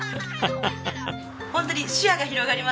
ホントに視野が広がりますね。